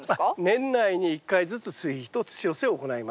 年内に１回ずつ追肥と土寄せを行います。